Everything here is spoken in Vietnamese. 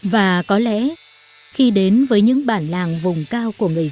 và có lẽ khi đến với những bản làng vùng cao của người dân